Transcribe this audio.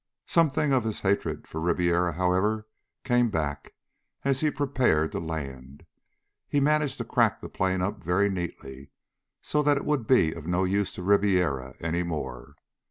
Something of his hatred of Ribiera, however, came back as he prepared to land. He managed to crack the plane up very neatly, so that it would be of no use to Ribiera any more.